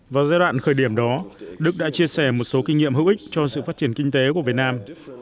vào giai đoạn khởi điểm đó đức đã chia sẻ một số kinh nghiệm hữu ích cho sự phát triển kinh tế của việt nam